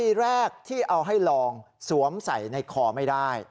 แรกที่เอาให้ลองสวมใส่ในคอไม่ได้